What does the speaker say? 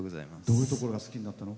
どういうところが好きになったの？